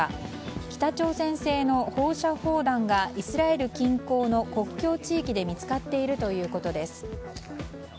北朝鮮製の放射砲弾がイスラエル近郊の国境地域で見つかっているということです。